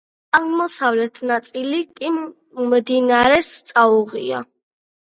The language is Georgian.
აღმოსავლეთი ნაწილი კი მდინარეს წაუღია.